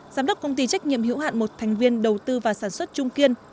giám đốc công ty trách nhiệm hữu hạn một thành viên đầu tư và sản xuất trung kiên